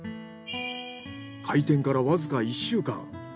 開店からわずか１週間。